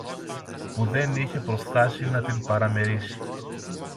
που δεν είχε προφθάσει να την παραμερίσει.